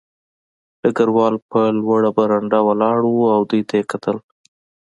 ډګروال په لوړه برنډه ولاړ و او دوی ته یې کتل